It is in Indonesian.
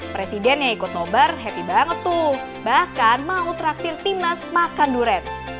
presiden yang ikut nobar happy banget tuh bahkan mau traktir tim nas makan duret